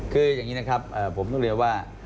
คืออย่างนี้นะครับผมต้องเรียนว่า